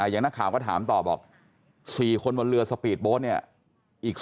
อย่างนักข่าวก็ถามต่อบอก๔คนบนเรือสปีดโบ๊ทเนี่ย